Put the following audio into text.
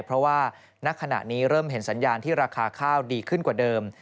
เพราะว่าณขณะนี้เริ่มเห็นสัญญาณที่ราคาข้าวดีขึ้นกว่าเดิม